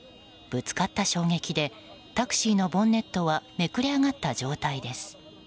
ぶつかった衝撃でタクシーのボンネットはめくれ上がった状態です。